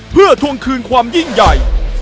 เพื่อทวงคืนความยิ่งใหญ่